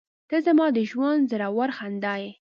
• ته زما د ژونده زړور خندا یې.